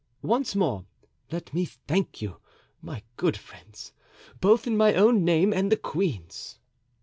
Once more, let me thank you, my good friends, both in my own name and the queen's."